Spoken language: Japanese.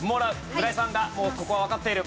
村井さんがもうここはわかっている。